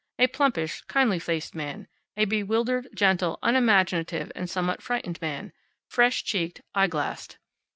A plumpish, kindly faced man; a bewildered, gentle, unimaginative and somewhat frightened man, fresh cheeked, eye glassed.